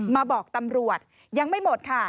มาบอกตำรวจยังไม่หมดค่ะ